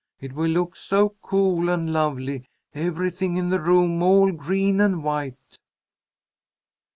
It will look so cool and lovely, everything in the room all green and white."